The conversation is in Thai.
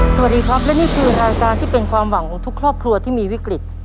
สวัสดีครับและนี่คือรายการที่เป็นความหวังของทุกครอบครัวที่มีวิกฤต